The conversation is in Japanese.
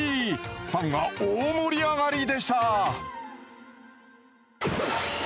ファンは大盛り上がりでした。